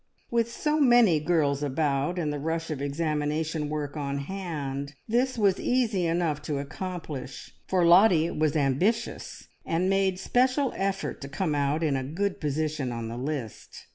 With so many girls about and the rush of examination work on hand, this was easy enough to accomplish, for Lottie was ambitious, and made special effort to come out in a good position on the list.